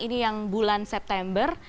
ini yang bulan september